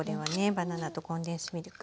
バナナとコンデンスミルク。